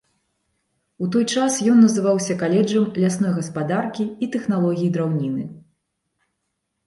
У той час ён называўся каледжам лясной гаспадаркі і тэхналогіі драўніны.